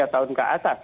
tiga tahun ke atas